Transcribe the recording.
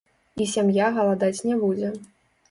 І сям'я галадаць не будзе.